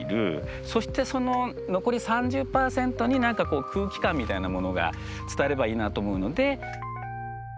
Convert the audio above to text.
そしてその残り３０％に何かこう空気感みたいなものが伝わればいいなと思うので。